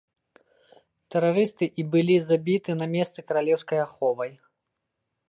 Тэрарысты і былі забіты на месцы каралеўскай аховай.